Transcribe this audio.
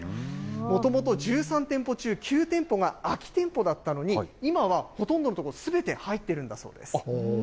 もともと１３店舗中９店舗が空き店舗だったのに、今はほとんどの所、すべて入っているんだそうです。